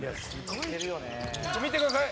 「見てください